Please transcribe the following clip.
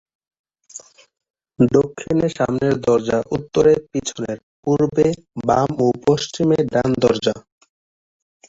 দক্ষিণে সামনের দরজা, উত্তরে পিছনের, পূর্বে বাম ও পশ্চিমে ডান দরজা।